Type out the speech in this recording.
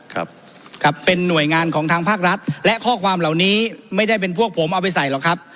ครับครับเป็นหน่วยงานของทางภาครัฐและข้อความเหล่านี้ไม่ได้เป็นพวกผมเอาไปใส่หรอกครับ